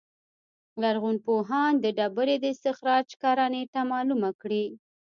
لرغونپوهان د ډبرې د استخراج کره نېټه معلومه کړي.